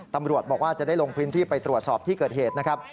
ตำรวจบอกว่าจะได้ลงพื้นที่ไปตรวจสอบที่เกิดเหตุนะครับ